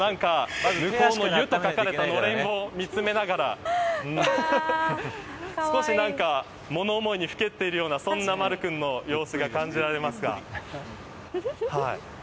ゆと書かれた向こうののれんを見つめながら少し物思いにふけっているようなそんなまる君の様子が感じられますが。